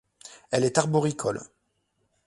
Elle est arboricole.